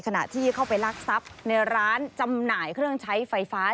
ขณะที่เข้าไปรักทรัพย์ในร้านจำหน่ายเครื่องใช้ไฟฟ้า